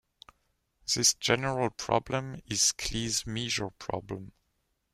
This general problem is Klee's measure problem.